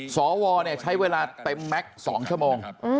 สวใช้เวลาเต็มแม็กซ์๒ชั่วโมง